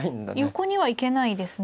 横には行けないですね。